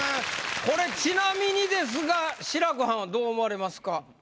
これちなみにですが志らくはんはどう思われますか？